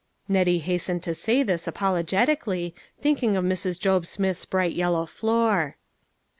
Nettie hastened to say this, apologetically, thinking of Mrs. Job Smith's bright yellow floor.